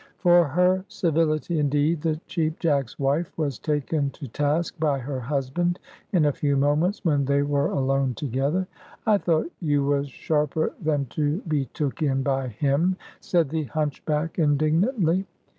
For her civility, indeed, the Cheap Jack's wife was taken to task by her husband in a few moments when they were alone together. "I thought you was sharper than to be took in by him!" said the hunchback, indignantly.